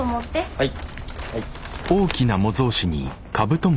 はい。